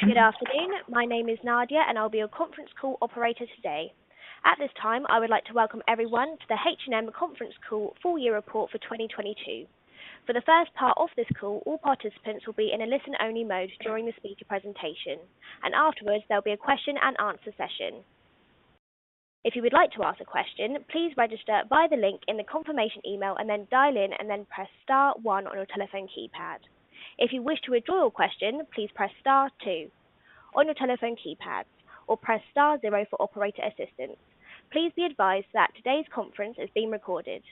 Good afternoon. My name is Nadia, and I'll be your conference call operator today. At this time, I would like to welcome everyone to the H&M conference call, full year report for 2022. For the first part of this call, all participants will be in a listen-only mode during the speaker presentation, and afterwards, there'll be a question and answer session. If you would like to ask a question, please register via the link in the confirmation email and then dial in and then press star one on your telephone keypad. If you wish to withdraw your question, please press star two on your telephone keypad or press star zero for operator assistance. Please be advised that today's conference is being recorded.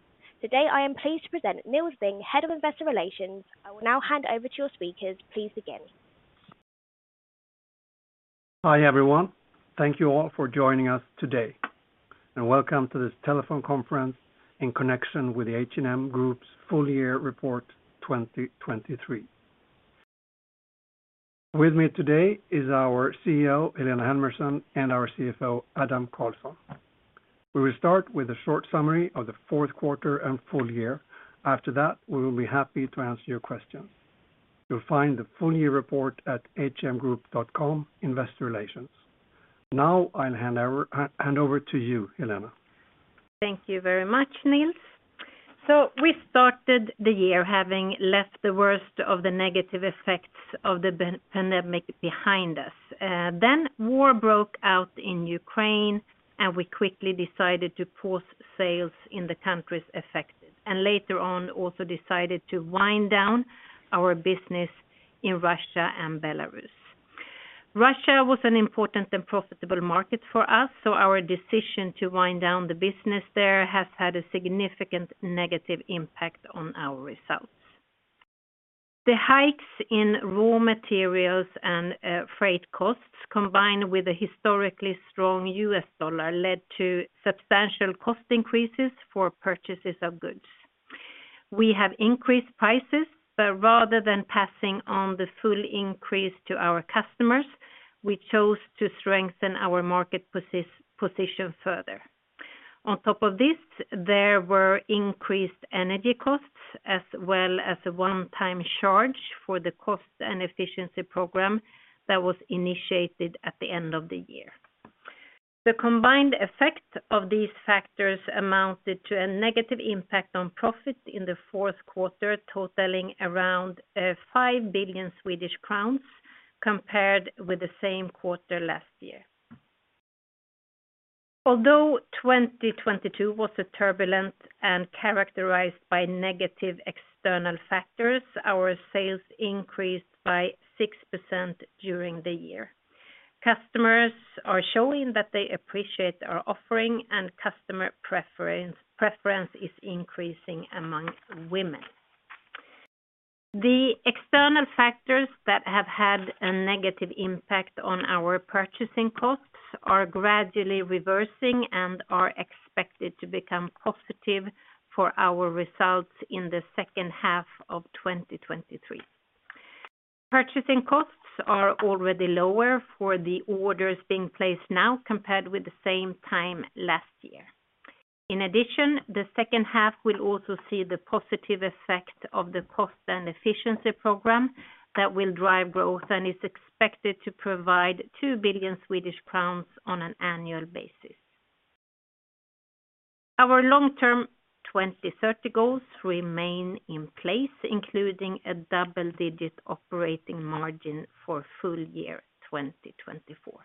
Today, I am pleased to present Nils Vinge, Head of Investor Relations. I will now hand over to your speakers. Please begin. Hi, everyone. Thank you all for joining us today. Welcome to this telephone conference in connection with the H&M Group's full year report 2023. With me today is our CEO, Helena Helmersson, and our CFO, Adam Karlsson. We will start with a short summary of the fourth quarter and full year. After that, we will be happy to answer your questions. You'll find the full year report at hmgroup.com/investor relations. Now I'll hand over to you, Helena. Thank you very much, Nils. We started the year having left the worst of the negative effects of the pan-pandemic behind us. War broke out in Ukraine, and we quickly decided to pause sales in the countries affected, and later on, also decided to wind down our business in Russia and Belarus. Russia was an important and profitable market for us, our decision to wind down the business there has had a significant negative impact on our results. The hikes in raw materials and freight costs, combined with a historically strong U.S. dollar, led to substantial cost increases for purchases of goods. We have increased prices, rather than passing on the full increase to our customers, we chose to strengthen our market position further. On top of this, there were increased energy costs as well as a one-time charge for the cost and efficiency program that was initiated at the end of the year. The combined effect of these factors amounted to a negative impact on profits in the fourth quarter, totaling around 5 billion Swedish crowns compared with the same quarter last year. 2022 was a turbulent and characterized by negative external factors, our sales increased by 6% during the year. Customers are showing that they appreciate our offering and customer preference is increasing among women. The external factors that have had a negative impact on our purchasing costs are gradually reversing and are expected to become positive for our results in the second half of 2023. Purchasing costs are already lower for the orders being placed now compared with the same time last year. In addition, the second half will also see the positive effect of the cost and efficiency program that will drive growth and is expected to provide 2 billion Swedish crowns on an annual basis. Our long-term 2030 goals remain in place, including a double-digit operating margin for full year 2024.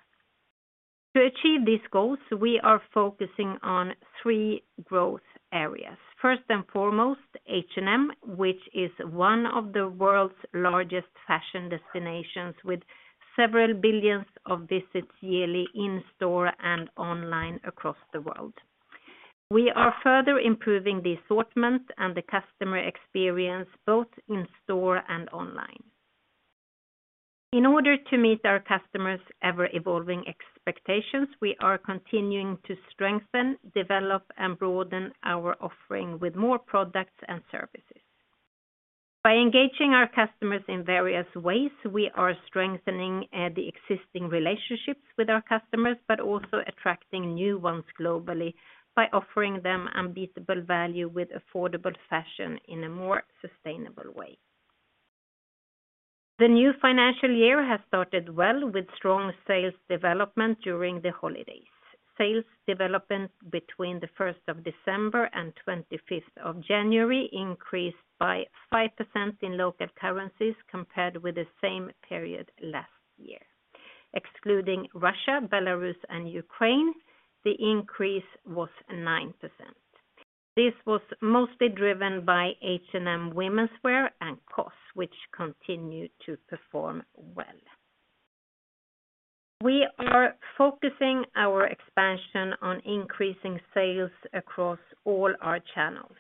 To achieve these goals, we are focusing on three growth areas. First and foremost, H&M, which is one of the world's largest fashion destinations with several billions of visits yearly in store and online across the world. We are further improving the assortment and the customer experience, both in store and online. In order to meet our customers' ever-evolving expectations, we are continuing to strengthen, develop, and broaden our offering with more products and services. By engaging our customers in various ways, we are strengthening the existing relationships with our customers but also attracting new ones globally by offering them unbeatable value with affordable fashion in a more sustainable way. The new financial year has started well with strong sales development during the holidays. Sales development between the 1st of December and 25th of January increased by 5% in local currencies compared with the same period last year. Excluding Russia, Belarus, and Ukraine, the increase was 9%. This was mostly driven by H&M womenswear and COS, which continued to perform well. We are focusing our expansion on increasing sales across all our channels.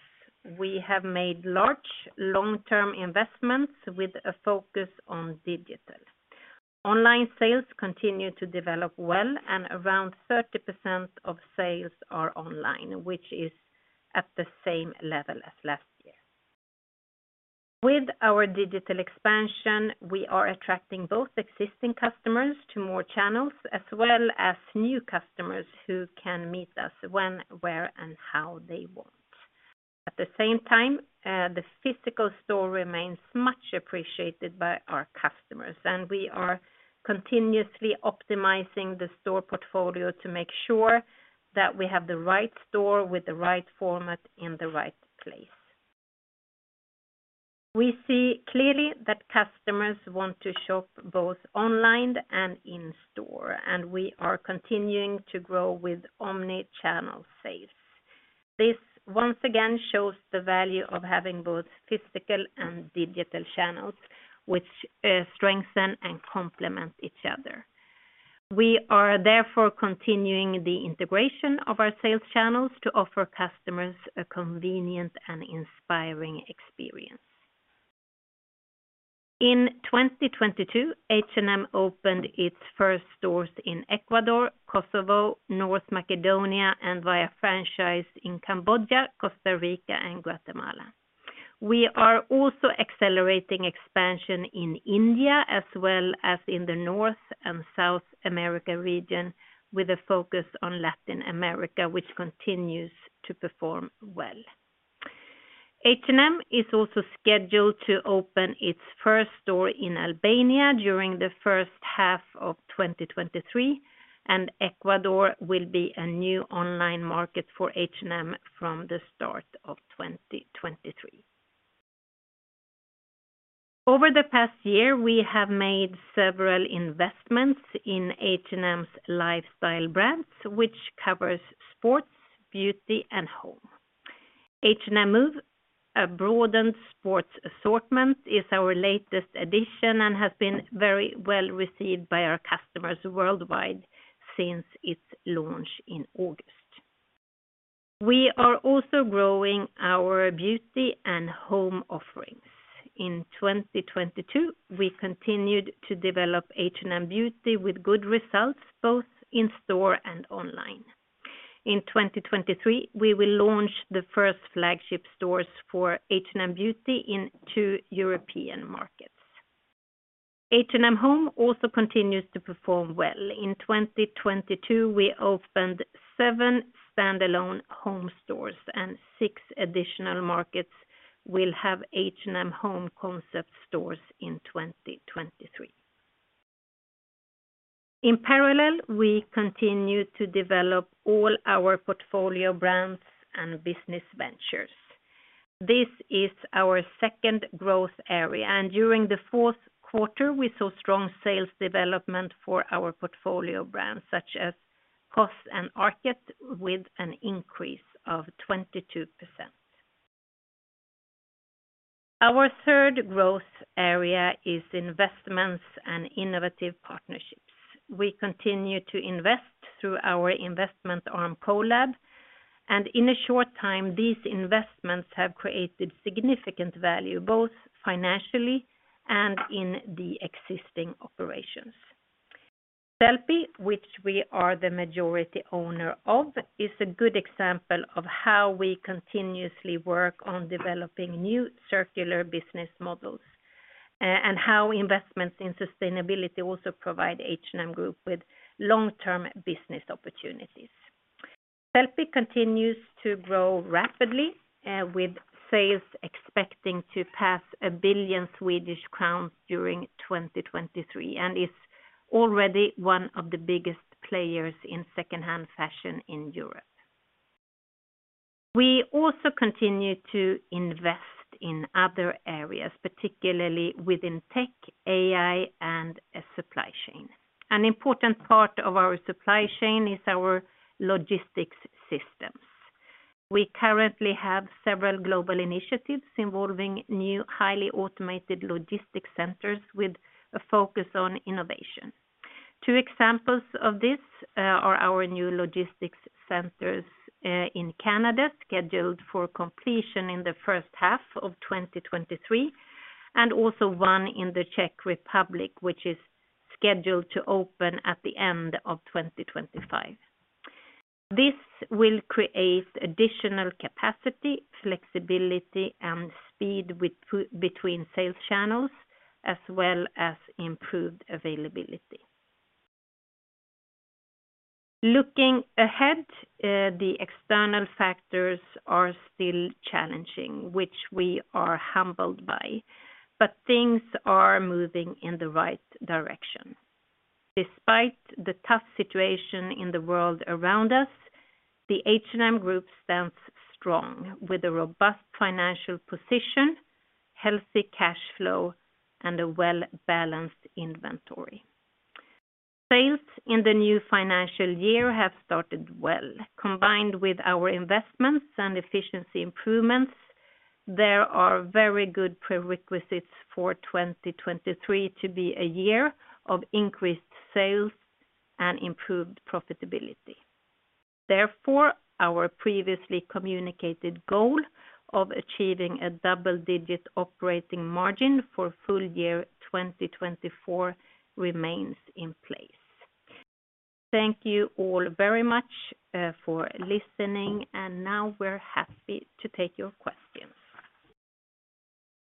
We have made large long-term investments with a focus on digital. Online sales continue to develop well, and around 30% of sales are online, which is at the same level as last year. With our digital expansion, we are attracting both existing customers to more channels as well as new customers who can meet us when, where, and how they want. At the same time, the physical store remains much appreciated by our customers, and we are continuously optimizing the store portfolio to make sure that we have the right store with the right format in the right place. We see clearly that customers want to shop both online and in store, and we are continuing to grow with omnichannel sales. This once again shows the value of having both physical and digital channels, which strengthen and complement each other. We are therefore continuing the integration of our sales channels to offer customers a convenient and inspiring experience. In 2022, H&M opened its first stores in Ecuador, Kosovo, North Macedonia, and via franchise in Cambodia, Costa Rica, and Guatemala. We are also accelerating expansion in India as well as in the North and South America region with a focus on Latin America, which continues to perform well. H&M is also scheduled to open its first store in Albania during the first half of 2023. Ecuador will be a new online market for H&M from the start of 2023. Over the past year, we have made several investments in H&M's lifestyle brands, which covers sports, beauty, and home. H&M Move, a broadened sports assortment, is our latest addition and has been very well-received by our customers worldwide since its launch in August. We are also growing our beauty and home offerings. In 2022, we continued to develop H&M Beauty with good results both in store and online. In 2023, we will launch the first flagship stores for H&M Beauty in two European markets. H&M Home also continues to perform well. In 2022, we opened seven standalone home stores, and six additional markets will have H&M Home concept stores in 2023. In parallel, we continue to develop all our portfolio brands and business ventures. This is our second growth area. During the fourth quarter, we saw strong sales development for our portfolio brands such as COS and ARKET, with an increase of 22%. Our third growth area is investments and innovative partnerships. We continue to invest through our investment arm, H&M CO:LAB. In a short time, these investments have created significant value, both financially and in the existing operations. Sellpy, which we are the majority owner of, is a good example of how we continuously work on developing new circular business models, and how investments in sustainability also provide H&M Group with long-term business opportunities. Sellpy continues to grow rapidly, with sales expecting to pass 1 billion Swedish crowns during 2023, and is already one of the biggest players in secondhand fashion in Europe. We also continue to invest in other areas, particularly within tech, AI, and supply chain. An important part of our supply chain is our logistics systems. We currently have several global initiatives involving new highly automated logistics centers with a focus on innovation. Two examples of this are our new logistics centers in Canada, scheduled for completion in the first half of 2023, and also one in the Czech Republic, which is scheduled to open at the end of 2025. This will create additional capacity, flexibility, and speed between sales channels, as well as improved availability. Looking ahead, the external factors are still challenging, which we are humbled by, but things are moving in the right direction. Despite the tough situation in the world around us, the H&M Group stands strong with a robust financial position, healthy cash flow, and a well-balanced inventory. Sales in the new financial year have started well. Combined with our investments and efficiency improvements, there are very good prerequisites for 2023 to be a year of increased sales and improved profitability. Therefore, our previously communicated goal of achieving a double-digit operating margin for full year 2024 remains in place. Thank you all very much for listening, and now we're happy to take your questions.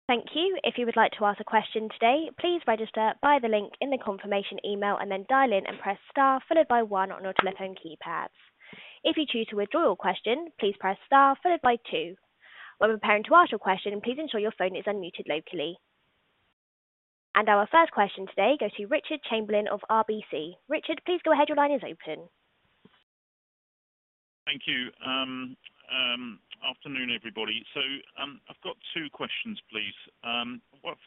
Thank you. If you would like to ask a question today, please register by the link in the confirmation email and then dial in and press star followed by one on your telephone keypads. If you choose to withdraw your question, please press star followed by two. When preparing to ask your question, please ensure your phone is unmuted locally. Our first question today goes to Richard Chamberlain of RBC. Richard, please go ahead. Your line is open. Thank you. Afternoon, everybody. I've got two questions, please.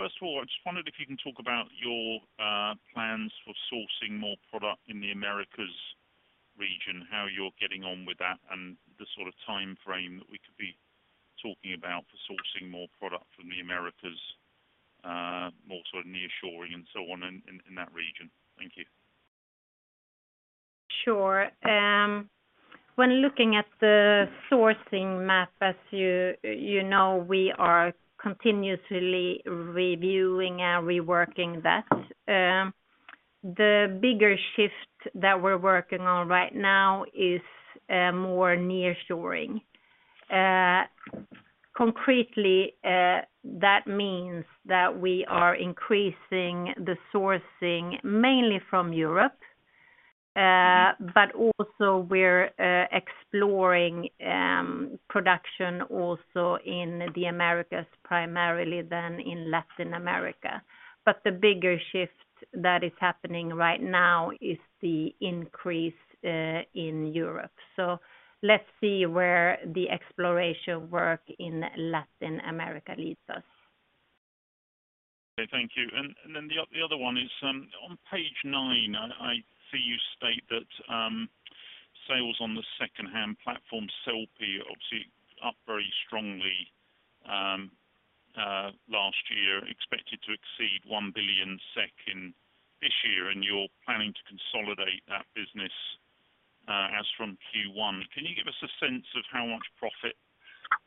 First of all, I just wondered if you can talk about your plans for sourcing more product in the Americas region, how you're getting on with that, and the sort of timeframe that we could be talking about for sourcing more product from the Americas, more sort of nearshoring and so on in that region. Thank you. Sure. When looking at the sourcing map, as you know, we are continuously reviewing and reworking that. The bigger shift that we're working on right now is more nearshoring. Concretely, that means that we are increasing the sourcing mainly from Europe, but also we're exploring production also in the Americas primarily then in Latin America. The bigger shift that is happening right now is the increase in Europe. Let's see where the exploration work in Latin America leads us. Okay. Thank you. The other one is on page nine, I see you state that sales on the secondhand platform, Sellpy, obviously up very strongly last year, expected to exceed 1 billion SEK in this year, and you're planning to consolidate that business as from Q1. Can you give us a sense of how much profit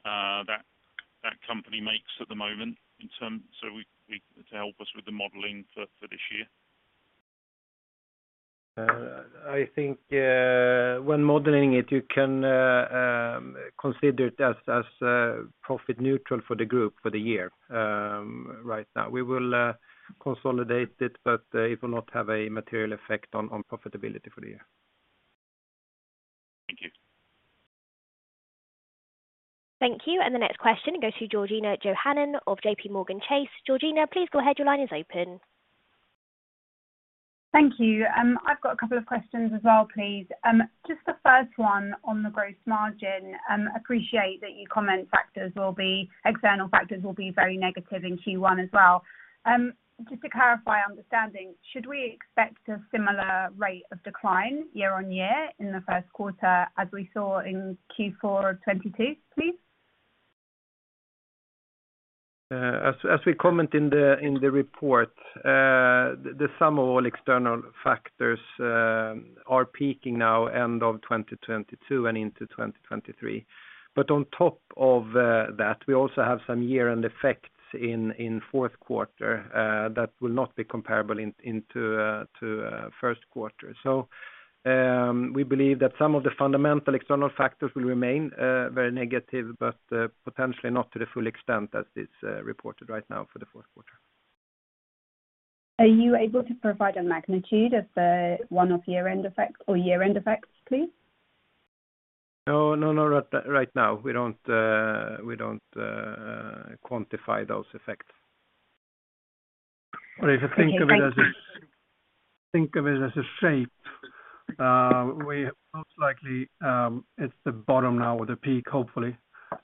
that company makes at the moment in terms so we to help us with the modeling for this year? I think, when modeling it, you can consider it as profit neutral for the group for the year right now. We will consolidate it, but it will not have a material effect on profitability for the year. Thank you. Thank you. The next question goes to Georgina Johanan of J.P. Morgan Chase. Georgina, please go ahead. Your line is open. Thank you. I've got two questions as well, please. Just the 1st one on the gross margin, appreciate that you comment external factors will be very negative in Q1 as well. Just to clarify understanding, should we expect a similar rate of decline year-on-year in the first quarter as we saw in Q4 2022, please? As we comment in the report, the sum of all external factors are peaking now end of 2022 and into 2023. But on top of that, we also have some year-end effects in fourth quarter that will not be comparable into to first quarter. So we believe that some of the fundamental external factors will remain very negative, but potentially not to the full extent as is reported right now for the fourth quarter. Are you able to provide a magnitude of the one-off year-end effects or year-end effects, please? No. No, not right now. We don't quantify those effects. Okay. If you think of it as a shape, we most likely, it's the bottom now or the peak, hopefully,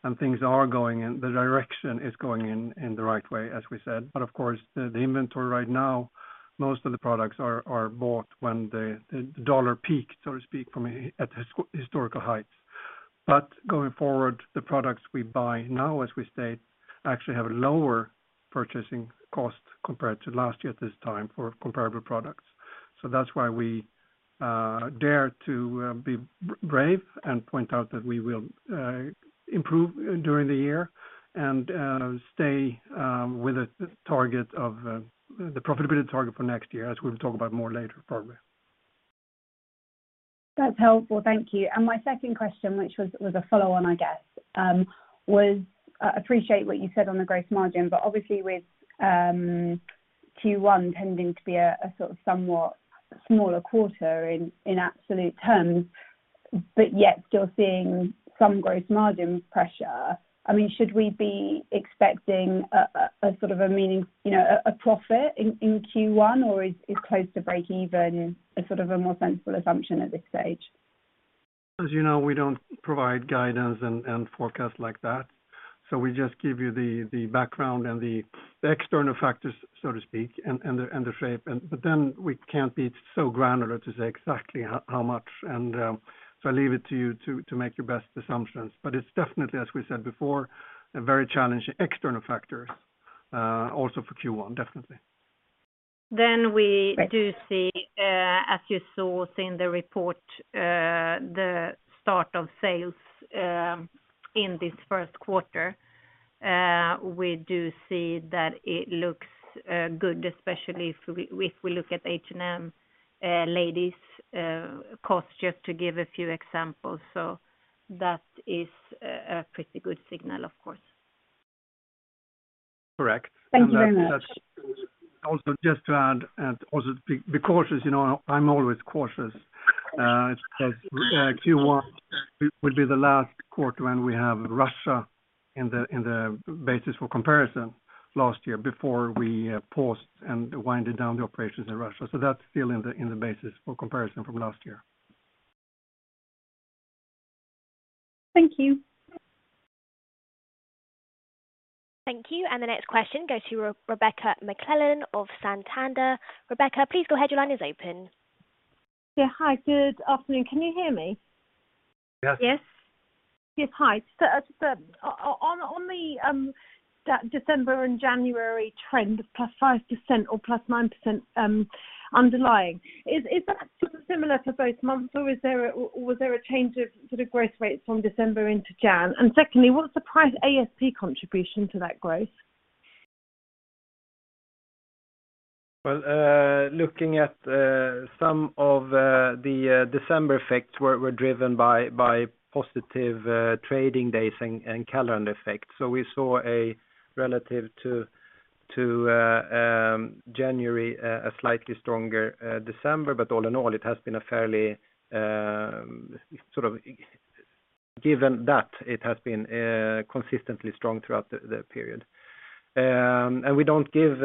and things are going in. The direction is going in the right way, as we said. Of course, the inventory right now, most of the products are bought when the dollar peaked, so to speak, at historical heights. Going forward, the products we buy now, as we state, actually have a lower purchasing cost compared to last year this time for comparable products. That's why we dare to be brave and point out that we will improve during the year and stay with a target of the profitability target for next year, as we'll talk about more later probably. That's helpful. Thank you. My second question, which was a follow-on, I guess, appreciate what you said on the gross margin, but obviously with Q1 tending to be a sort of somewhat smaller quarter in absolute terms, but yet you're seeing some gross margin pressure. I mean, should we be expecting a sort of a meaning, you know, a profit in Q1, or is close to breakeven a sort of a more sensible assumption at this stage? As you know, we don't provide guidance and forecast like that. We just give you the background and the external factors, so to speak, and the, and the shape. We can't be so granular to say exactly how much. I leave it to you to make your best assumptions. It's definitely, as we said before, a very challenging external factors, also for Q1, definitely. We do see, as you saw in the report, the start of sales, in this first quarter. We do see that it looks good, especially if we look at H&M, ladies, COS, just to give a few examples. That is a pretty good signal, of course. Correct. Thank you very much. That's also just to add, and also be cautious, you know, I'm always cautious, because Q1 will be the last quarter when we have Russia in the basis for comparison last year before we paused and winded down the operations in Russia. That's still in the basis for comparison from last year. Thank you. Thank you. The next question goes to Rebecca McClellan of Santander. Rebecca, please go ahead. Your line is open. Yeah. Hi, good afternoon. Can you hear me? Yes. Yes. Yes. Hi. On the December and January trend of +5% or +9% underlying, is that sort of similar for both months? Or was there a change of sort of growth rates from December into Jan? Secondly, what's the price ASP contribution to that growth? Well, looking at some of the December effects were driven by positive trading days and calendar effects. We saw a relative to January, a slightly stronger December, but all in all, it has been a fairly sort of... Given that it has been consistently strong throughout the period. We don't give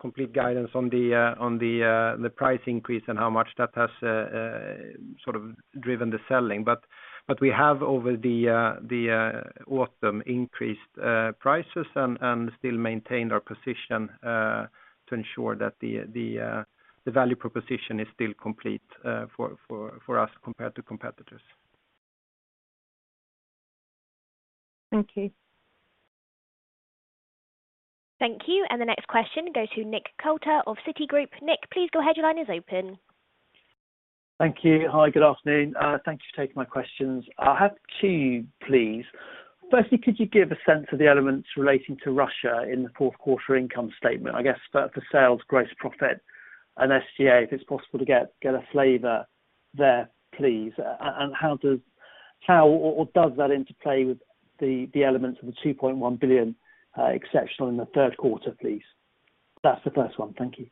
complete guidance on the price increase and how much that has sort of driven the selling. We have over the autumn increased prices and still maintained our position to ensure that the value proposition is still complete for us compared to competitors. Thank you. Thank you. The next question goes to Nick Coulter of Citigroup. Nick, please go ahead. Your line is open. Thank you. Hi, good afternoon. Thank you for taking my questions. I have two, please. Firstly, could you give a sense of the elements relating to Russia in the fourth quarter income statement? I guess for sales, gross profit and SGA, if it's possible to get a flavor there, please. How or does that interplay with the elements of the 2.1 billion exceptional in the third quarter, please? That's the first one. Thank you.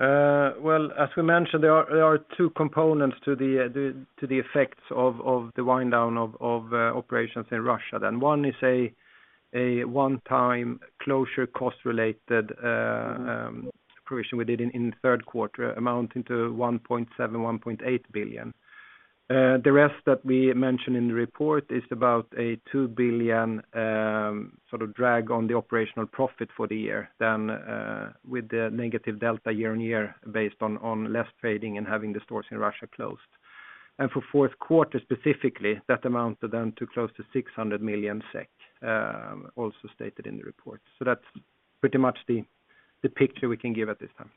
Well, as we mentioned, there are two components to the effects of the wind down of operations in Russia. One is a one-time closure cost related provision we did in the third quarter, amounting to 1.7 billion-1.8 billion. The rest that we mentioned in the report is about a 2 billion sort of drag on the operational profit for the year than with the negative delta year-over-year based on less trading and having the stores in Russia closed. For fourth quarter specifically, that amounts to then to close to 600 million SEK, also stated in the report. That's pretty much the picture we can give at this time.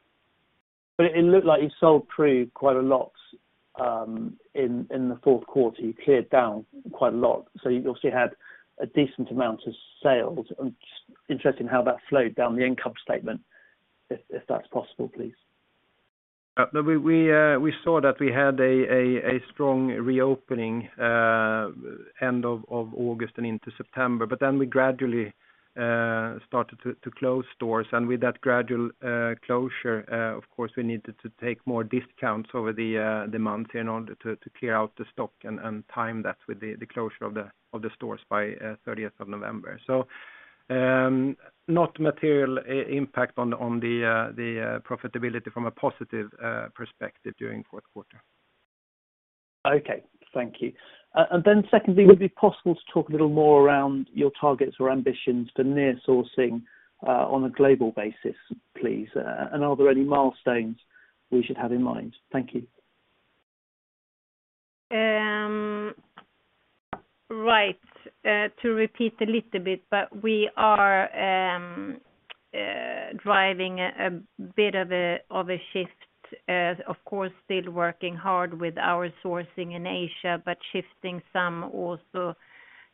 It looked like you sold through quite a lot in the fourth quarter. You cleared down quite a lot. You obviously had a decent amount of sales. I'm just interested in how that flowed down the income statement, if that's possible, please. We saw that we had a strong reopening end of August and into September, then we gradually started to close stores. With that gradual closure, of course, we needed to take more discounts over the month in order to clear out the stock and time that with the closure of the stores by 30th of November. Not material impact on the profitability from a positive perspective during fourth quarter. Okay, thank you. Secondly, would it be possible to talk a little more around your targets or ambitions for near sourcing, on a global basis, please? Are there any milestones we should have in mind? Thank you. Right. To repeat a little bit, but we are driving a bit of a shift, of course, still working hard with our sourcing in Asia, but shifting some also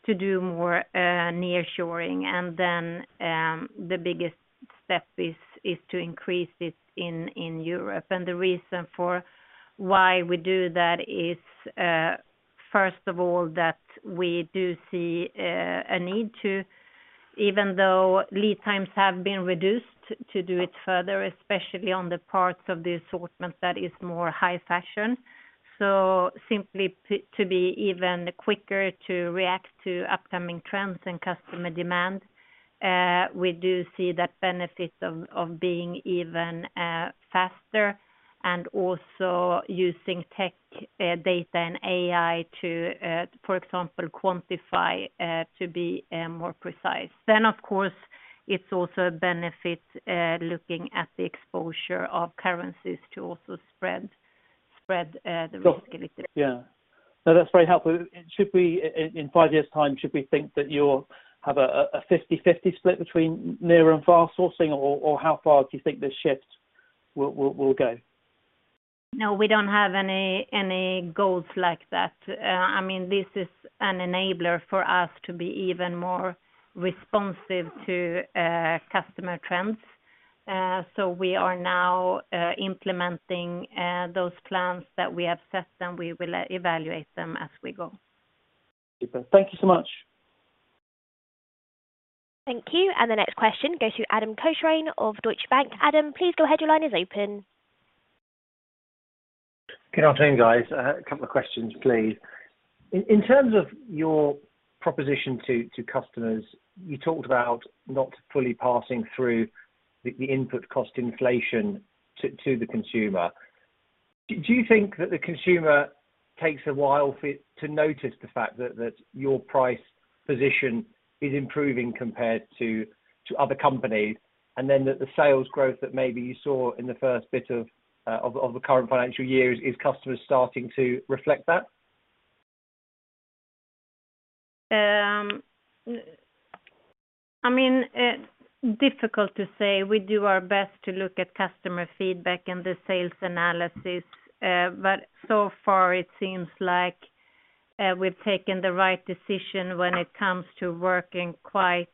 to do more nearshoring. The biggest step is to increase it in Europe. The reason for why we do that is, first of all, that we do see a need to, even though lead times have been reduced to do it further, especially on the parts of the assortment that is more high fashion. Simply to be even quicker to react to upcoming trends and customer demand, we do see the benefits of being even faster and also using tech, data and AI to, for example, quantify, to be more precise. Of course, it's also a benefit, looking at the exposure of currencies to also spread the risk a little bit. Yeah. No, that's very helpful. Should we, in five years' time, should we think that you'll have a 50/50 split between near and far sourcing? Or how far do you think this shift will go? No, we don't have any goals like that. I mean, this is an enabler for us to be even more responsive to customer trends. We are now implementing those plans that we have set, and we will evaluate them as we go. Thank you so much. Thank you. The next question goes to Adam Cochrane of Deutsche Bank. Adam, please go ahead. Your line is open. Good afternoon, guys. A couple of questions, please. In terms of your proposition to customers, you talked about not fully passing through the input cost inflation to the consumer. Do you think that the consumer takes a while for it to notice the fact that your price position is improving compared to other companies, and then that the sales growth that maybe you saw in the first bit of the current financial year, is customers starting to reflect that? I mean, difficult to say. We do our best to look at customer feedback in the sales analysis. So far it seems like we've taken the right decision when it comes to working quite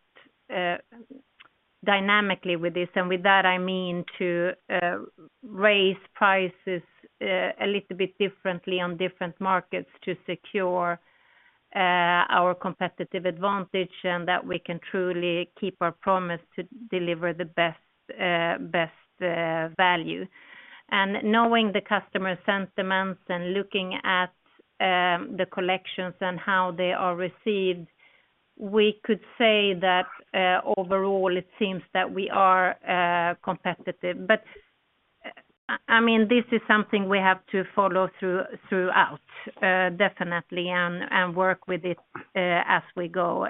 dynamically with this. With that, I mean to raise prices a little bit differently on different markets to secure our competitive advantage and that we can truly keep our promise to deliver the best best value. Knowing the customer sentiments and looking at the collections and how they are received, we could say that overall it seems that we are competitive. I mean, this is something we have to follow throughout definitely and work with it as we go.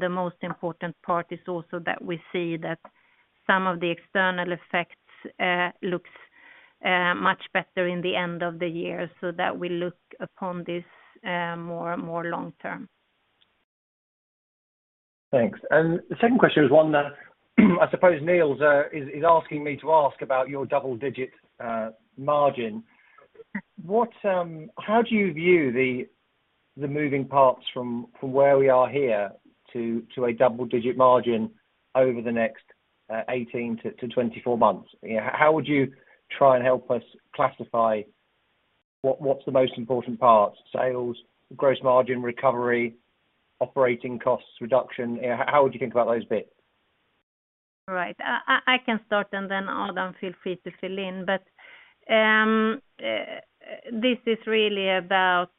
The most important part is also that we see that some of the external effects looks much better in the end of the year. We look upon this more long term. Thanks. The second question is one that, I suppose Nils is asking me to ask about your double digit margin. How do you view the moving parts from where we are here to a double-digit margin over the next 18-24 months? You know, how would you try and help us classify what's the most important part? Sales, gross margin recovery, operating costs reduction? How would you think about those bits? Right. I can start and then Adam feel free to fill in. This is really about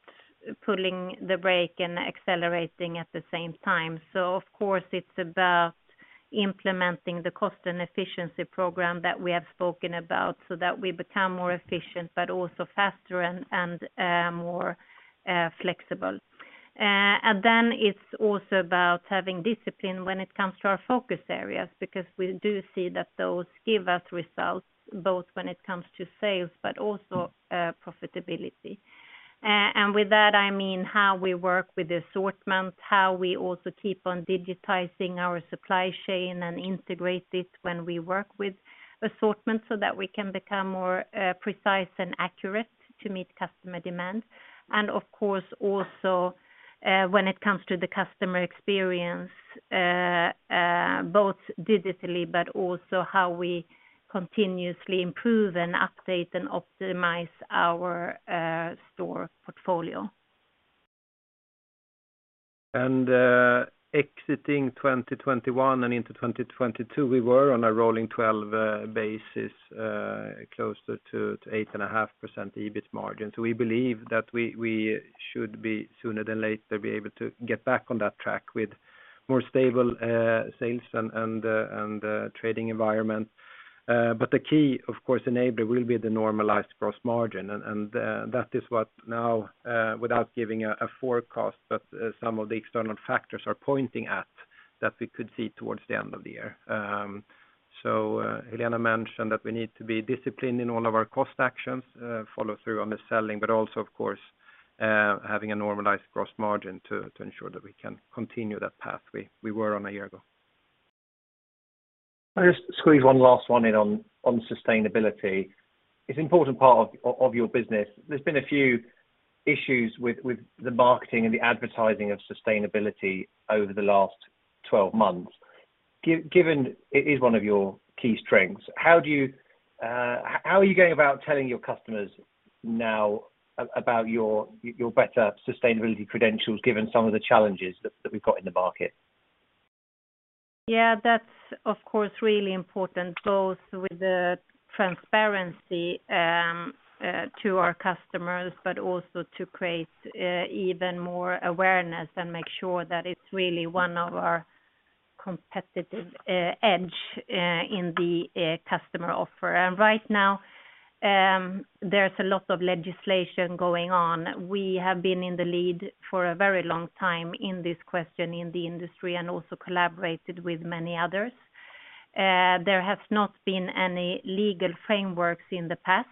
pulling the brake and accelerating at the same time. Of course it's about implementing the cost and efficiency program that we have spoken about so that we become more efficient, but also faster and more flexible. It's also about having discipline when it comes to our focus areas, because we do see that those give us results both when it comes to sales but also profitability. With that, I mean how we work with the assortment, how we also keep on digitizing our supply chain and integrate it when we work with assortment so that we can become more precise and accurate to meet customer demand. Of course also, when it comes to the customer experience, both digitally, but also how we continuously improve and update and optimize our store portfolio. Exiting 2021 and into 2022, we were on a rolling 12 basis closer to 8.5% EBIT margin. We believe that we should be, sooner than later, be able to get back on that track with more stable sales and trading environment. The key, of course, enabler will be the normalized gross margin. That is what now, without giving a forecast, but some of the external factors are pointing at that we could see towards the end of the year. Helena mentioned that we need to be disciplined in all of our cost actions, follow through on the selling, but also of course, having a normalized gross margin to ensure that we can continue that path we were on a year ago. Can I just squeeze one last one in on sustainability? It's an important part of your business. There's been a few issues with the marketing and the advertising of sustainability over the last 12 months. Given it is one of your key strengths, how do you, how are you going about telling your customers now about your better sustainability credentials, given some of the challenges that we've got in the market? Yeah, that's of course really important, both with the transparency to our customers, but also to create even more awareness and make sure that it's really one of our competitive edge in the customer offer. Right now, there's a lot of legislation going on. We have been in the lead for a very long time in this question in the industry and also collaborated with many others. There has not been any legal frameworks in the past,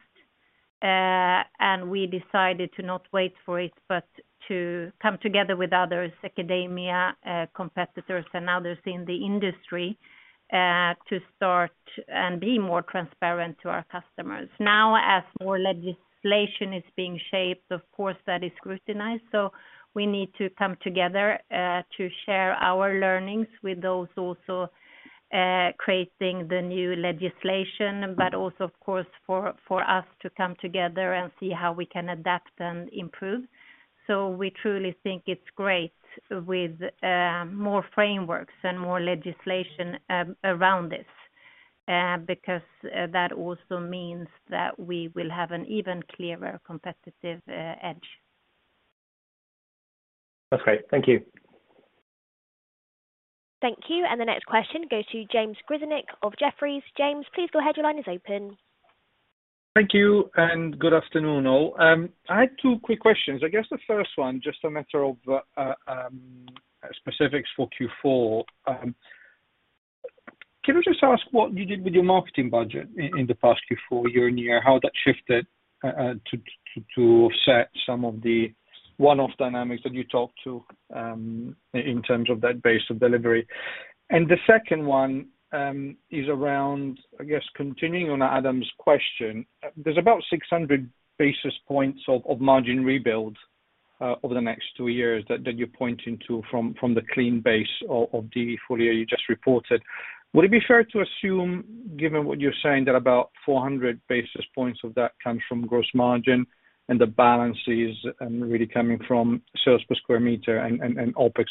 we decided to not wait for it, but to come together with others, academia, competitors and others in the industry to start and be more transparent to our customers. Now, as more legislation is being shaped, of course that is scrutinized. We need to come together to share our learnings with those also Creating the new legislation, of course for us to come together and see how we can adapt and improve. We truly think it's great with more frameworks and more legislation around this. That also means that we will have an even clearer competitive edge. That's great. Thank you. Thank you. The next question goes to James Grzinic of Jefferies. James, please go ahead. Your line is open. Thank you and good afternoon all. I had two quick questions. I guess the first one, just a matter of specifics for Q4. Can I just ask what you did with your marketing budget in the past Q4 year-on-year, how that shifted to offset some of the one-off dynamics that you talked to in terms of that base of delivery? The second one is around, I guess, continuing on Adam's question. There's about 600 basis points of margin rebuild over the next two years that you're pointing to from the clean base of the full year you just reported. Would it be fair to assume, given what you're saying, that about 400 basis points of that comes from gross margin and the balance is really coming from sales per square meter and OpEx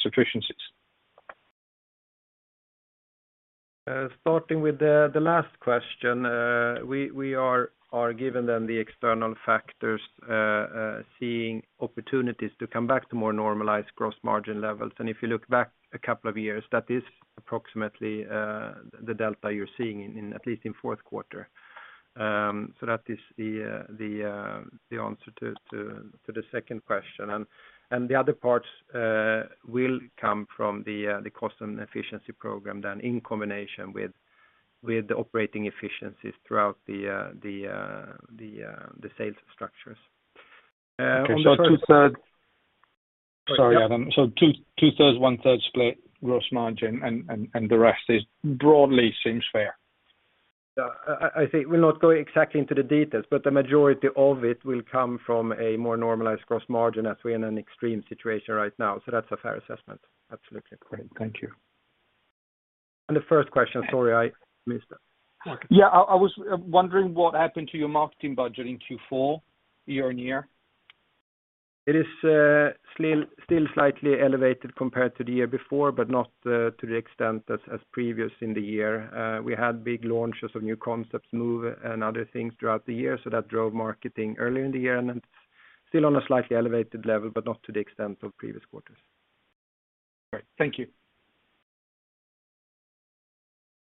efficiencies? last question, we are given the external factors, seeing opportunities to come back to more normalized gross margin levels. If you look back a couple of years, that is approximately the delta you are seeing in at least in fourth quarter. So that is the answer to the second question. The other parts will come from the cost and efficiency program in combination with the operating efficiencies throughout the sales structures. On the first Okay. Sorry, Adam. So 2/3, 1/3 split gross margin and the rest is broadly seems fair.? Yeah. I think we're not going exactly into the details, but the majority of it will come from a more normalized gross margin as we're in an extreme situation right now. That's a fair assessment. Absolutely. Great. Thank you. The first question, sorry, I missed that. Yeah. I was wondering what happened to your marketing budget in Q4 year-on-year? It is still slightly elevated compared to the year before, but not to the extent as previous in the year. We had big launches of new concepts Move and other things throughout the year. That drove marketing earlier in the year, and it's still on a slightly elevated level, but not to the extent of previous quarters. Great. Thank you.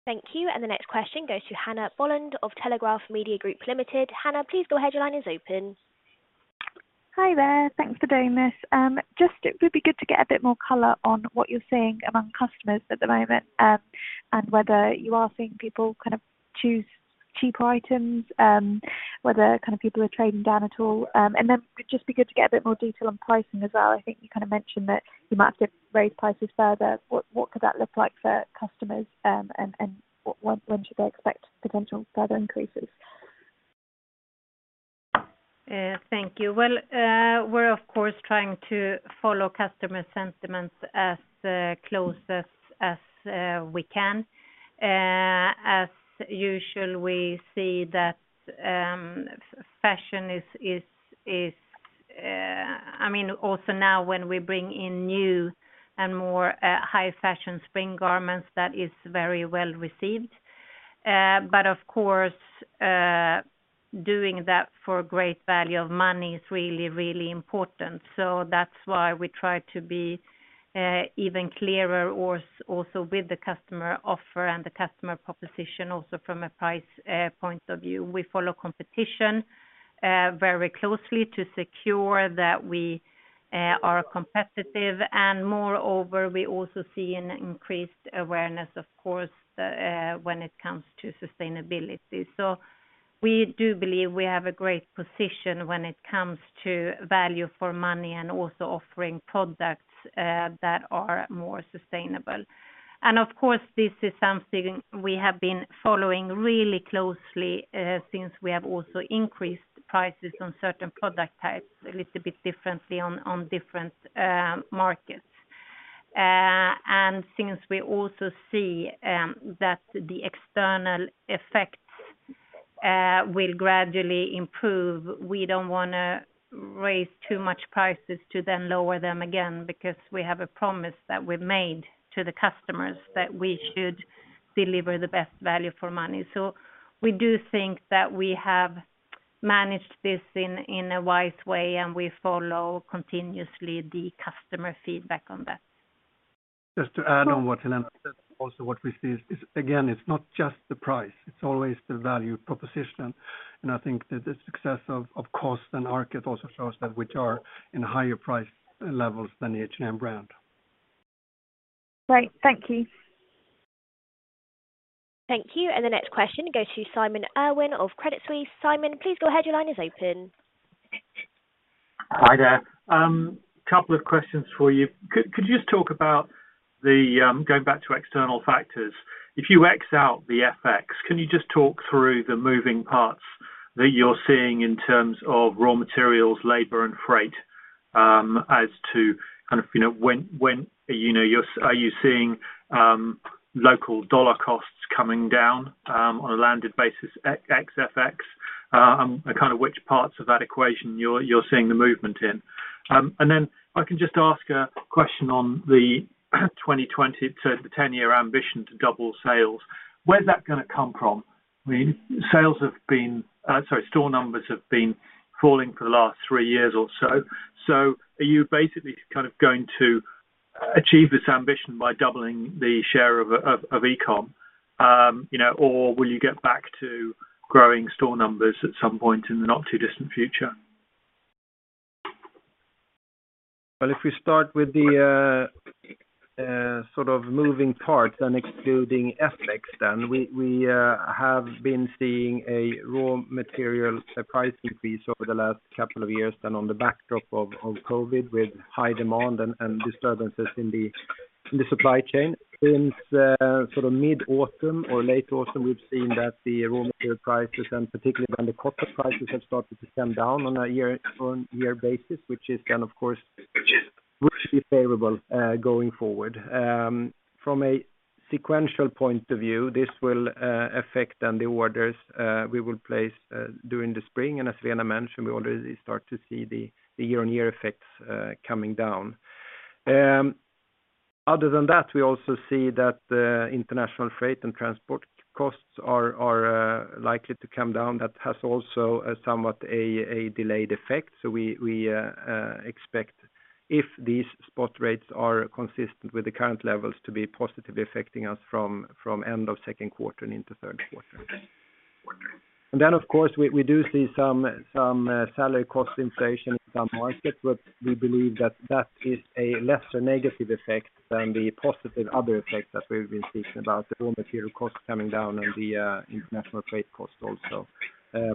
Thank you. The next question goes to Hannah Boland of Telegraph Media Group Limited. Hannah, please go ahead. Your line is open. Hi there. Thanks for doing this. Just it would be good to get a bit more color on what you're seeing among customers at the moment. Whether you are seeing people kind of choose cheaper items, whether kind of people are trading down at all? Then it just be good to get a bit more detail on pricing as well. I think you kind of mentioned that you might have to raise prices further. What could that look like for customers, and when should they expect potential further increases? Thank you. Well, we're of course trying to follow customer sentiments as close as we can. As usual, we see that, I mean, also now when we bring in new and more high fashion spring garments, that is very well received. Of course, doing that for great value of money is really, really important. That's why we try to be even clearer also with the customer offer and the customer proposition also from a price point of view. We follow competition very closely to secure that we are competitive. Moreover, we also see an increased awareness of course, when it comes to sustainability. We do believe we have a great position when it comes to value for money and also offering products, that are more sustainable. Of course, this is something we have been following really closely, since we have also increased prices on certain product types a little bit differently on different markets. Since we also see that the external effects will gradually improve, we don't wanna raise too much prices to then lower them again because we have a promise that we've made to the customers that we should deliver the best value for money. We do think that we have managed this in a wise way, and we follow continuously the customer feedback on that. Just to add on what Helena said, also what we see is again, it's not just the price, it's always the value proposition. I think that the success of COS and ARKET also shows that which are in higher price levels than the H&M brand. Great. Thank you. Thank you. The next question goes to Simon Irwin of Credit Suisse. Simon, please go ahead. Your line is open. Hi there. couple of questions for you. Could you just talk about the going back to external factors, if you X out the FX, can you just talk through the moving parts that you're seeing in terms of raw materials, labor and freight? As to kind of, are you seeing local dollar costs coming down on a landed basis FX? Which parts of that equation you're seeing the movement in? Then if I can just ask a question on the 2020 to the 10-year ambition to double sales. Where's that gonna come from? I mean, sales have been... sorry, store numbers have been falling for the last three years or so. Are you basically kind of going to achieve this ambition by doubling the share oe-f e-com? Or will you get back to growing store numbers at some point in the not too distant future? If we start with the sort of moving parts and excluding FX then, we have been seeing a raw material price increase over the last couple of years and on the backdrop of COVID with high demand and disturbances in the supply chain. Since sort of mid-autumn or late autumn, we've seen that the raw material prices and particularly around the cotton prices have started to come down on a year-on-year basis, which is kind of course, which should be favorable going forward. From a sequential point of view, this will affect on the orders we will place during the spring. As Helena mentioned, we already start to see the year-on-year effects coming down. Other than that, we also see that international freight and transport costs are likely to come down. That has also a somewhat a delayed effect. We expect if these spot rates are consistent with the current levels to be positively affecting us from end of second quarter into third quarter. Of course, we do see some salary cost inflation in some markets, but we believe that that is a lesser negative effect than the positive other effects that we've been speaking about, the raw material costs coming down and the international freight costs also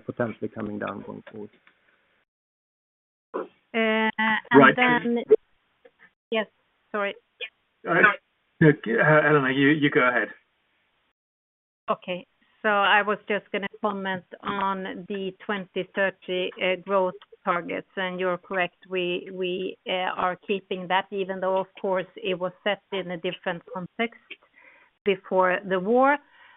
potentially coming down going forward. Right, Then. Yes, sorry. No, Helena, you go ahead. Okay, I was just gonna comment on the 2030 growth targets. You're correct, we are keeping that even though of course it was set in a different context before the war.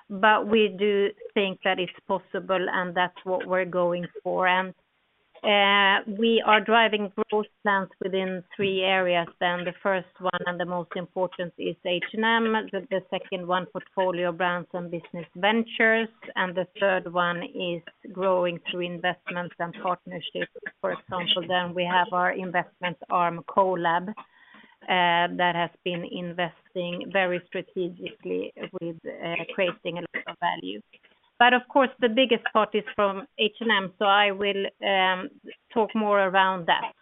We do think that it's possible and that's what we're going for. We are driving growth plans within three areas then. The first one and the most important is H&M. The second one, portfolio brands and business ventures, and the third one is growing through investments and partnerships. For example, then we have our investment arm, CO:LAB, that has been investing very strategically with creating a lot of value. Of course, the biggest part is from H&M, so I will talk more around that.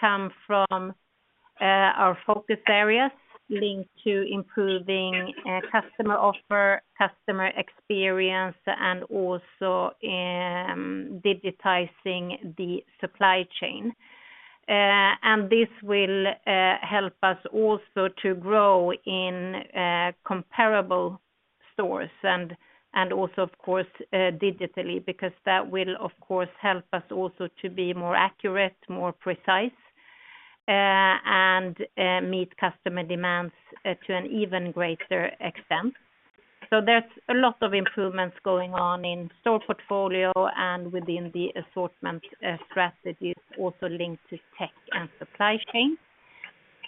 come from our focus areas linked to improving customer offer, customer experience and also digitizing the supply chain. This will help us also to grow in comparable stores and also of course, digitally, because that will of course help us also to be more accurate, more precise, and meet customer demands to an even greater extent. There's a lot of improvements going on in store portfolio and within the assortment strategies also linked to tech and supply chain.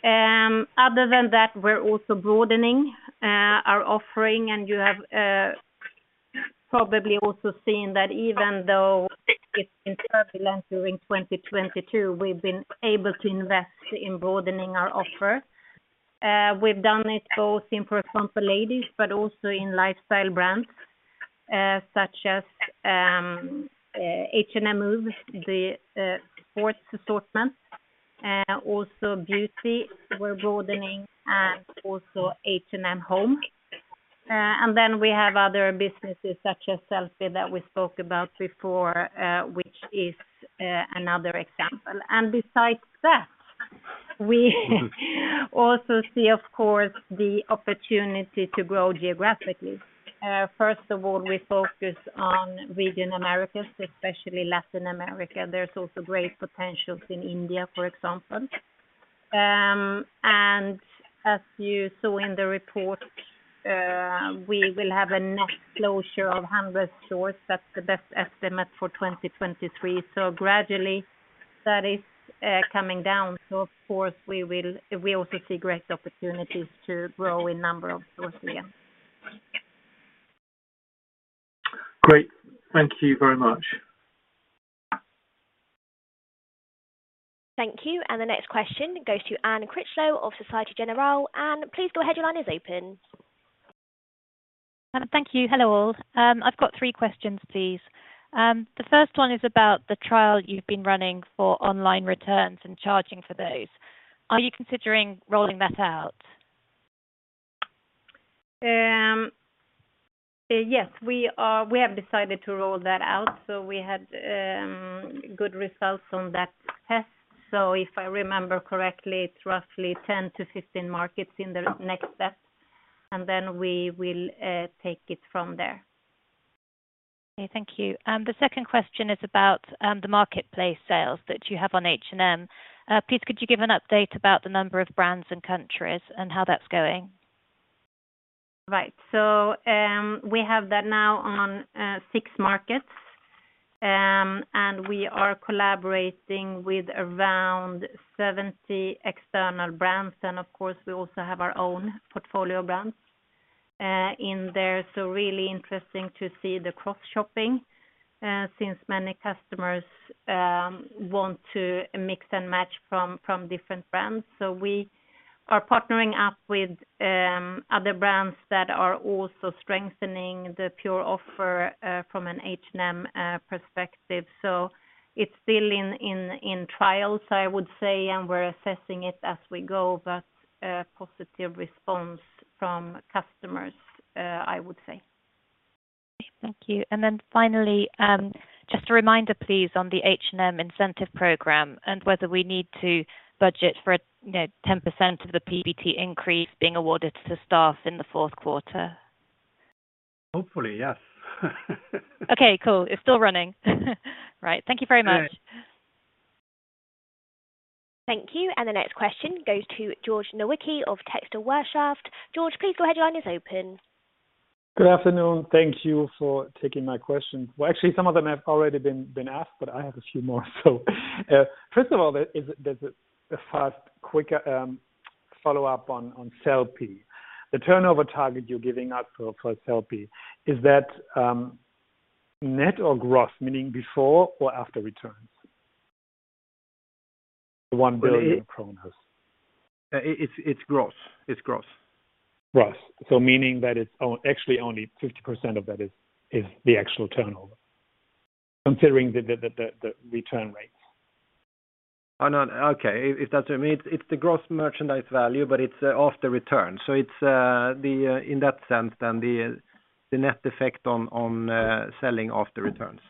Other than that, we're also broadening our offering. You have probably also seen that even though it's been turbulent during 2022, we've been able to invest in broadening our offer. We've done it both in, for example, ladies, but also in lifestyle brands, such as H&M Move, the sports assortment. Also beauty, we're broadening and also H&M Home. Then we have other businesses such as Sellpy that we spoke about before, which is another example. Besides that, we also see, of course, the opportunity to grow geographically. First of all, we focus on region Americas, especially Latin America. There's also great potentials in India, for example. As you saw in the report, we will have a net closure of 100 stores. That's the best estimate for 2023. Gradually that is coming down. Of course we also see great opportunities to grow in number of stores there. Great. Thank you very much. Thank you. The next question goes to Anne Critchlow of Société Générale. Anne, please go ahead. Your line is open. Thank you. Hello all. I've got three questions, please. The first one is about the trial you've been running for online returns and charging for those. Are you considering rolling that out? Yes. We have decided to roll that out, so we had good results from that test. If I remember correctly, it's roughly 10-15 markets in the next step, we will take it from there. Thank you. The second question is about the marketplace sales that you have on H&M. Please could you give an update about the number of brands and countries and how that's going? Right. We have that now on six markets. We are collaborating with around 70 external brands, and of course, we also have our own portfolio brands in there. Really interesting to see the cross-shopping since many customers want to mix and match from different brands. We are partnering up with other brands that are also strengthening the pure offer from an H&M perspective. It's still in trial, so I would say, and we're assessing it as we go, but positive response from customers, I would say. Thank you. Then finally, just a reminder, please, on the H&M incentive program and whether we need to budget for, you know, 10% of the PBT increase being awarded to staff in the fourth quarter. Hopefully, yes. Okay, cool. It's still running. Right. Thank you very much. Yes. Thank you. The next question goes to Georg Weishaupt of TextilWirtschaft. Georg, please go ahead. Your line is open. Good afternoon. Thank you for taking my question. Well, actually, some of them have already been asked, but I have a few more. First of all, the first quick follow-up on Sellpy. The turnover target you're giving out for Sellpy, is that net or gross, meaning before or after returns? The SEK 1 billion. It's gross. Meaning that it's actually only 50% of that is the actual turnover considering the return rates. Oh, no. Okay. If that's what you mean, it's the gross merchandise value, but it's after returns. It's the in that sense, then the net effect on selling after returns.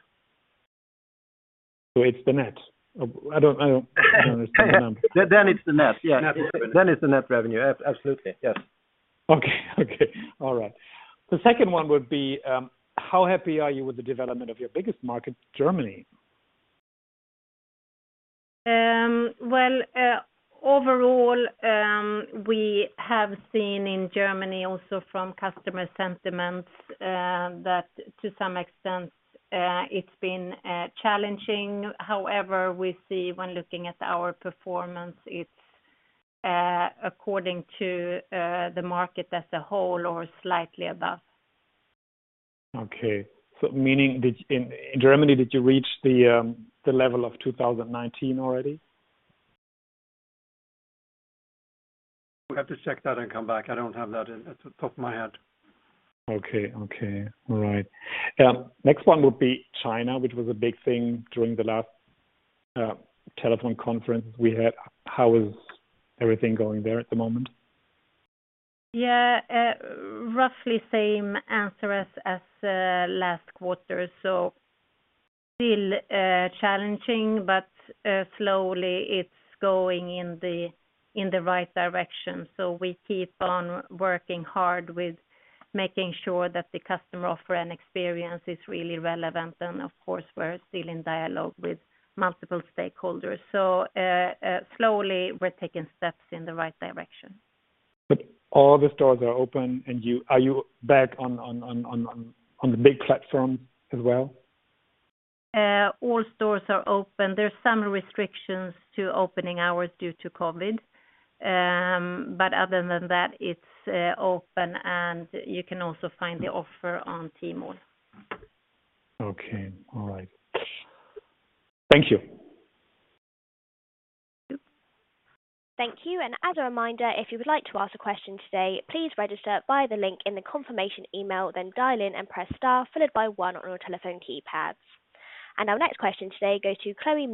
It's the net. I don't understand. It's the net, yeah. Net. It's the net revenue. Absolutely. Yes. Okay. Okay. All right. The second one would be, how happy are you with the development of your biggest market, Germany? Overall, we have seen in Germany also from customer sentiments, that to some extent, it's been challenging. However, we see when looking at our performance, it's according to the market as a whole or slightly above. Okay. Meaning did, in Germany, did you reach the level of 2019 already? We'll have to check that and come back. I don't have that in, at the top of my head. Okay. Okay. All right. Next one would be China, which was a big thing during the last, telephone conference we had. How is everything going there at the moment? Yeah. Roughly same answer as last quarter. Still challenging, but slowly it's going in the right direction. We keep on working hard with making sure that the customer offer and experience is really relevant. Of course, we're still in dialogue with multiple stakeholders. Slowly we're taking steps in the right direction. all the stores are open and you... Are you back on the big platform as well? All stores are open. There's some restrictions to opening hours due to COVID. Other than that, it's open and you can also find the offer on Tmall. Okay. All right. Thank you. Thank you. Thank you. As a reminder, if you would like to ask a question today, please register via the link in the confirmation email, Dial in and press star followed by one on your telephone keypads. Our next question today goes to Chloe,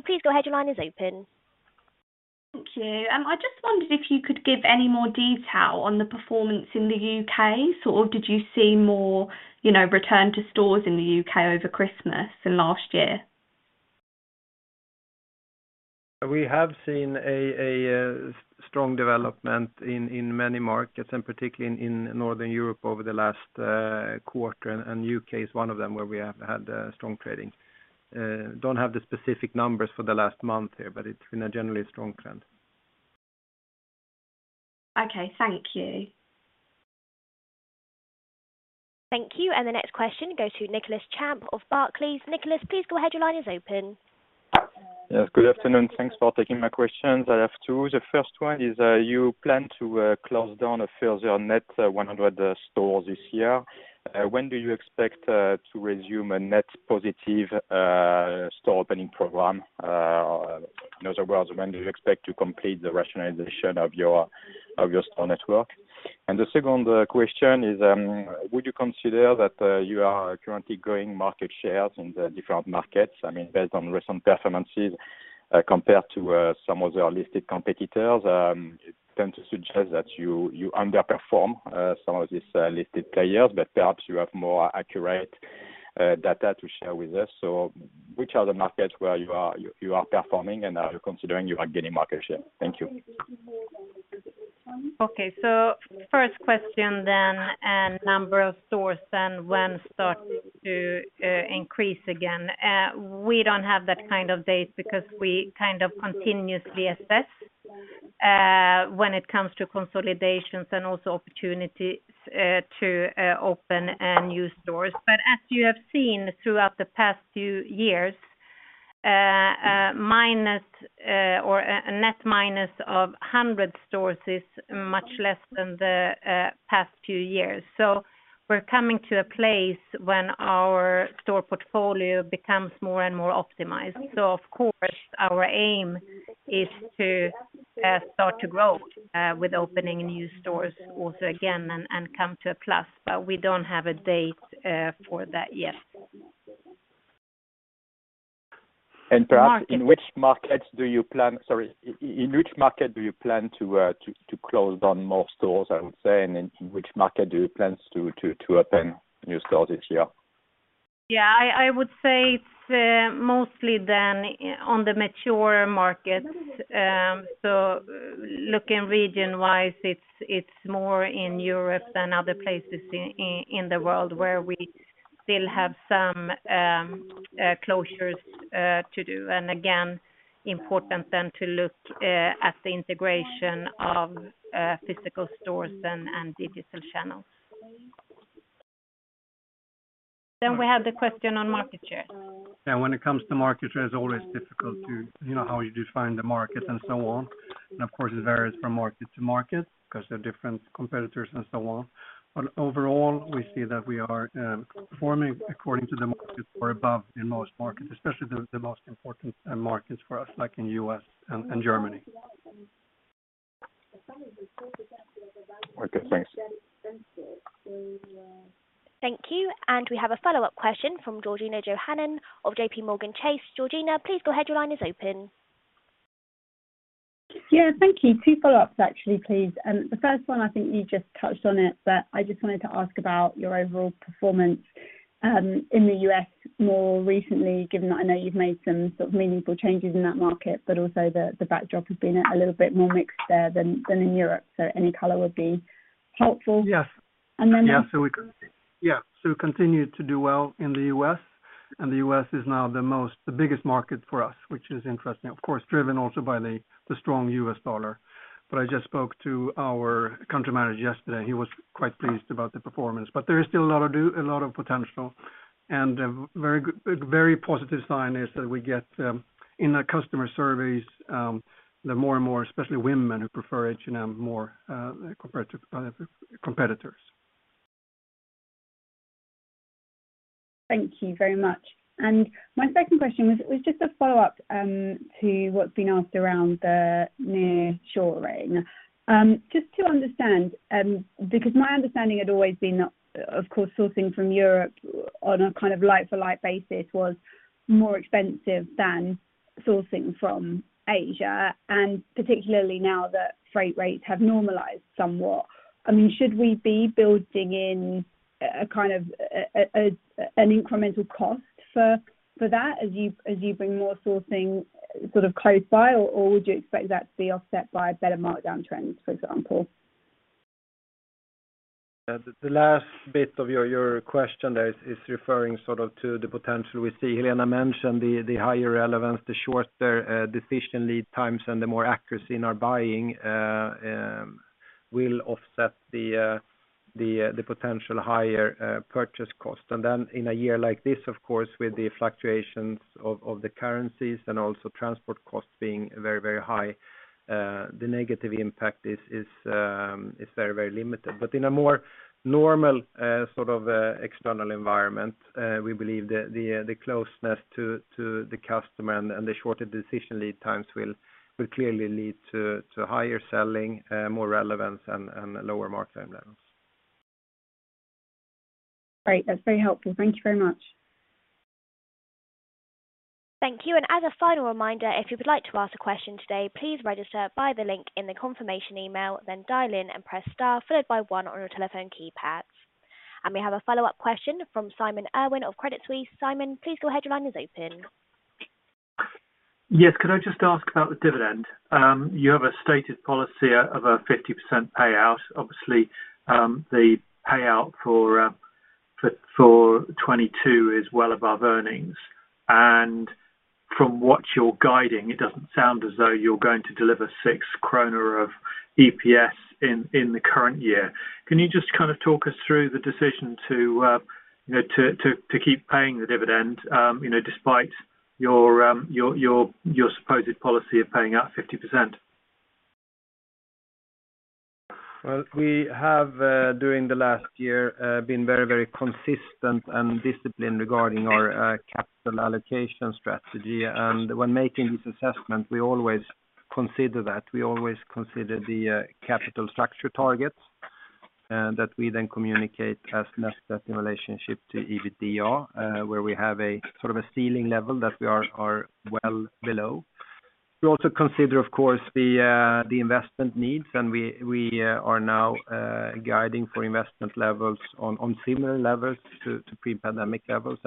please go ahead. Your line is open. Thank you. I just wondered if you could give any more detail on the performance in the U.K.. Sort of did you see more, you know, return to stores in the U.K. over Christmas than last year? We have seen a strong development in many markets and particularly in Northern Europe over the last quarter, and U.K. is one of them where we have had strong trading. Don't have the specific numbers for the last month here, but it's been a generally strong trend. Okay. Thank you. Thank you. The next question goes to Nicolas Champ of Barclays. Nicolas, please go ahead. Your line is open. Yes. Good afternoon. Thanks for taking my questions. I have two. The first one is, you plan to close down a further net 100 stores this year. When do you expect to resume a net positive store opening program? In other words, when do you expect to complete the rationalization of your store network? The second question is, would you consider that you are currently growing market shares in the different markets? I mean, based on recent performances, compared to some of your listed competitors, it tends to suggest that you underperform some of these listed players, but perhaps you have more accurate data to share with us. Which are the markets where you are performing and are considering you are gaining market share? Thank you. First question, number of stores and when start to increase again. We don't have that kind of date because we kind of continuously assess when it comes to consolidations and also opportunities to open new stores. As you have seen throughout the past few years, minus or a net minus of 100 stores is much less than the past few years. We're coming to a place when our store portfolio becomes more and more optimized. Of course, our aim is to start to grow with opening new stores also again and come to a plus. We don't have a date for that yet. Sorry. In which market do you plan to close down more stores, I would say, and in which market do you plan to open new stores this year? Yeah, I would say it's mostly then on the mature markets. Looking region-wise, it's more in Europe than other places in the world where we still have some closures to do. Again, important then to look at the integration of physical stores and digital channels. We have the question on market share. When it comes to market share, it's always difficult to, you know, how you define the market and so on. Of course, it varies from market to market because there are different competitors and so on. Overall, we see that we are performing according to the market or above in most markets, especially the most important markets for us, like in U.S. and Germany. Okay, thanks. Thank you. We have a follow-up question from Georgina Johanan of J.P. Morgan Chase. Georgina, please go ahead. Your line is open. Yeah, thank you. Two follow-ups, actually, please. The first one, I think you just touched on it, but I just wanted to ask about your overall performance, in the U.S. more recently, given that I know you've made some sort of meaningful changes in that market, but also the backdrop has been a little bit more mixed there than in Europe. Any color would be helpful. Yes. And then- We continue to do well in the U.S., and the U.S. is now the biggest market for us, which is interesting. Of course, driven also by the strong U.S. dollar. I just spoke to our country manager yesterday. He was quite pleased about the performance. There is still a lot of potential. Very positive sign is that we get in the customer surveys that more and more, especially women who prefer H&M more compared to other competitors. Thank you very much. My second question was just a follow-up to what's been asked around the nearshoring. Just to understand, because my understanding had always been, of course, sourcing from Europe on a kind of like-for-like basis was more expensive than sourcing from Asia, and particularly now that freight rates have normalized somewhat. I mean, should we be building in a kind of an incremental cost for that as you bring more sourcing sort of close by, or would you expect that to be offset by better markdown trends, for example? The last bit of your question there is referring sort of to the potential we see. Helena mentioned the higher relevance, the shorter decision lead times and the more accuracy in our buying will offset the potential higher purchase cost. In a year like this, of course, with the fluctuations of the currencies and also transport costs being very, very high, the negative impact is very, very limited. In a more normal sort of external environment, we believe the closeness to the customer and the shorter decision lead times will clearly lead to higher selling, more relevance and lower markdown levels. Great. That's very helpful. Thank you very much. Thank you. As a final reminder, if you would like to ask a question today, please register via the link in the confirmation email, then dial in and press star followed by one on your telephone keypads. We have a follow-up question from Simon Irwin of Credit Suisse. Simon, please go ahead. Your line is open. Yes. Could I just ask about the dividend? You have a stated policy of a 50% payout. Obviously, the payout for 2022 is well above earnings. From what you're guiding, it doesn't sound as though you're going to deliver 6 kronor of EPS in the current year. Can you just kind of talk us through the decision to, you know, to keep paying the dividend, you know, despite your supposed policy of paying out 50%? Well, we have during the last year been very, very consistent and disciplined regarding our capital allocation strategy. When making this assessment, we always consider that. We always consider the capital structure targets that we then communicate as net debt in relationship to EBITDA, where we have a sort of a ceiling level that we are well below. We also consider, of course, the investment needs, and we are now guiding for investment levels on similar levels to pre-pandemic levels.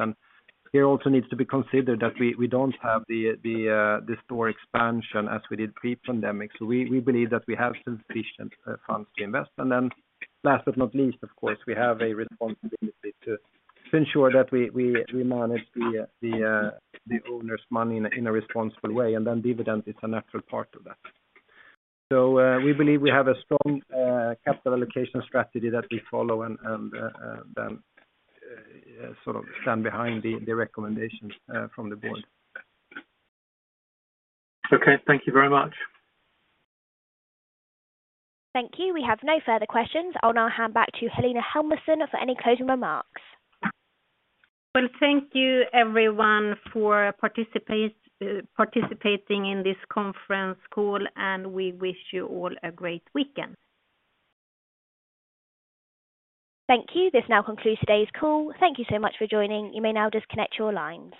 It also needs to be considered that we don't have the store expansion as we did pre-pandemic. We believe that we have sufficient funds to invest. Last but not least, of course, we have a responsibility to ensure that we manage the owner's money in a responsible way, and then dividend is a natural part of that. We believe we have a strong capital allocation strategy that we follow and sort of stand behind the recommendations from the board. Okay. Thank you very much. Thank you. We have no further questions. I'll now hand back to Helena Helmersson for any closing remarks. Thank you everyone for participating in this conference call, and we wish you all a great weekend. Thank you. This now concludes today's call. Thank you so much for joining. You may now disconnect your lines.